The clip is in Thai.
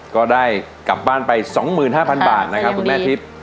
ก็ได้กลับบ้านไป๒หมื่น๕พันบาทนะคะคุณแม่ทิฟท์